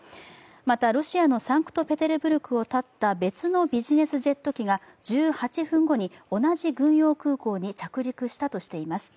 またロシアのサンクトペテルブルクをたった別のビジネスジェット機が、１８分後に同じ軍用空港に着陸したとしています。